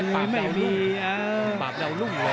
ขอให้ปับเดารุ่งด้วย